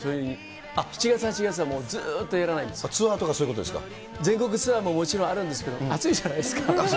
７月、８月は、もうずっとやらないんでツアーとか、そういうことで全国ツアーももちろんあるんですけれども、暑いじゃないですか。